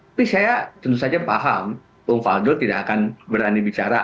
tapi saya tentu saja paham bung faldo tidak akan berani bicara